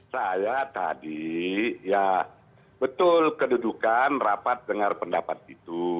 saya tadi ya betul kedudukan rapat dengar pendapat itu